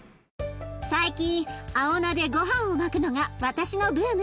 最近青菜でごはんを巻くのが私のブーム。